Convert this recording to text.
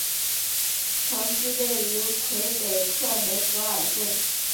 曾居住于魁北克梅戈格镇。